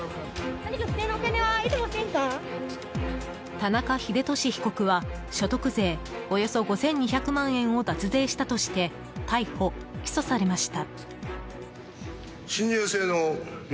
田中英寿被告は所得税およそ５２００万円を脱税したとして逮捕・起訴されました。